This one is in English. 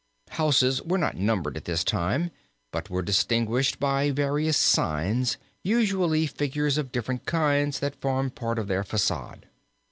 Houses were not numbered at this time but were distinguished by various signs, usually figures of different kinds that formed part of their facade.